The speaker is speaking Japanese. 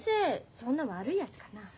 そんな悪いやつかな。